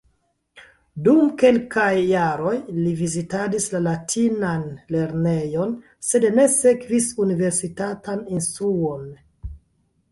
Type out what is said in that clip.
Dum kelkaj jaroj li vizitadis la latinan lernejon, sed ne sekvis universitatan instruon.